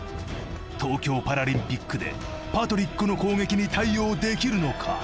東京パラリンピックでパトリックの攻撃に対応できるのか？